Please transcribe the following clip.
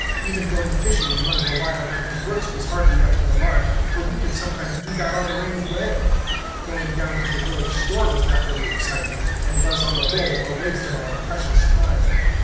Even going fishing in one of the wild mountain brooks was hardly up to the mark, for we could sometimes do that on a rainy day. Going down to the village store was not very exciting, and was, on the whole, a waste of our precious time.